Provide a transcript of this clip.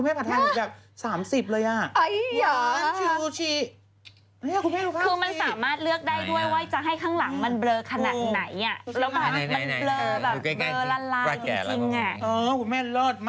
นี่ก็ถ่ายพอร์ตเทจคุณแม่